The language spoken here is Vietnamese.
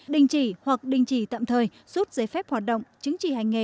đình chỉ hoặc đình chỉ tạm thời rút giấy phép hoạt động chứng chỉ hành nghề